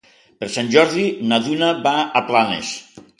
Per Sant Jordi na Duna va a Planes.